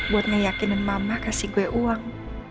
buat ngeyakinin mama kasih gue uang